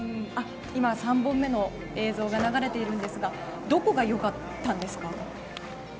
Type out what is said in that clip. ３本目の映像が流れているんですがどこが良かったんですか？